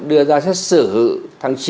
đưa ra xét xử tháng chín